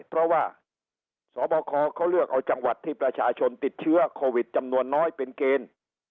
เพราะว่าสบคเขาเลือกเอาจังหวัดที่ประชาชนติดเชื้อโควิดจำนวนน้อยเป็นเกณฑ์